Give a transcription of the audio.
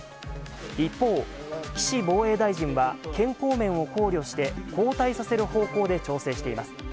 一方、岸防衛大臣は健康面を考慮して、交代させる方向で調整しています。